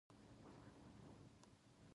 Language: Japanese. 帰宅時間